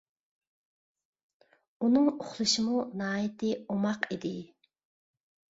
ئۇنىڭ ئۇخلىشىمۇ ناھايىتى ئوماق ئىدى.